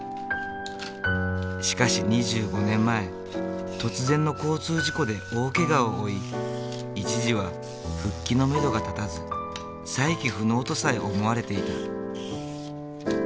しかし２５年前突然の交通事故で大けがを負い一時は復帰のめどが立たず再起不能とさえ思われていた。